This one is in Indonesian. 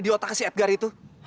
di otak si edgar itu